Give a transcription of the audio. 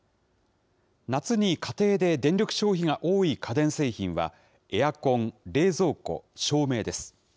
夏に家庭で電力消費が多い家電製品は、エアコン、冷蔵庫、照明です。